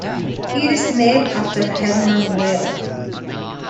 It is named after Hermann Weyl.